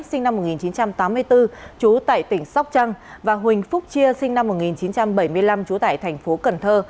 sinh năm một nghìn chín trăm tám mươi bốn trú tại tỉnh sóc trăng và huỳnh phúc chia sinh năm một nghìn chín trăm bảy mươi năm trú tại thành phố cần thơ